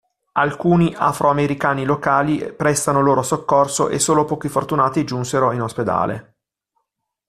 Alcuni afroamericani locali prestarono loro soccorso e solo pochi fortunati giunsero in ospedale.